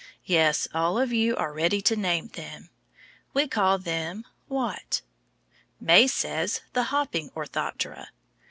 Yes, all of you are ready to name them. We call them what? May says, the Hopping Orthoptera.